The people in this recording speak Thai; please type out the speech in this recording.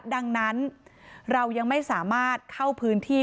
ดังนั้นเรายังไม่สามารถเข้าพื้นที่